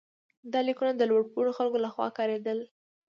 دا لیکونه د لوړ پوړو خلکو لخوا کارېدل.